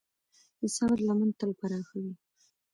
د صبر لمن تل پراخه وي.